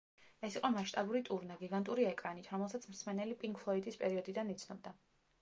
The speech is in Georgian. ეს იყო მასშტაბური ტურნე, გიგანტური ეკრანით, რომელსაც მსმენელი პინკ ფლოიდის პერიოდიდან იცნობდა.